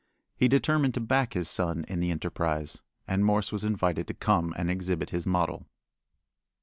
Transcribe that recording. He determined to back his son in the enterprise, and Morse was invited to come and exhibit his model.